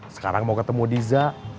sekarang mau ketemu diza